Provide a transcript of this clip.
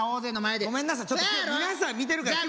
皆さん見てるから。